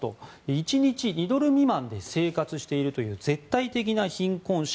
１日、２ドル未満で生活しているという絶対的な貧困者